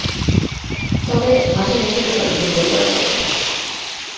তবে মাঠে নেমেই তো সব সময় গোল করা যায় না।